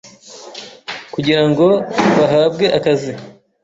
kugira ngo bahabwe akazi